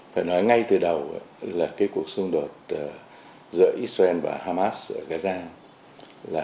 phải nói ngay từ đầu là cái cuộc xung đột giữa israel và hamas ở gaza